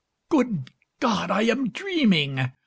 Good God, I am dreaming!